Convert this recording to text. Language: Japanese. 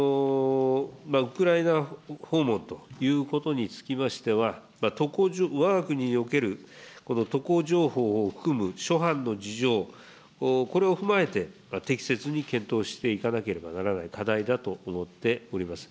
ウクライナ訪問ということにつきましては、わが国におけるこの渡航情報を含む諸般の事情、これを踏まえて、適切に検討していかなければならない課題だと思っております。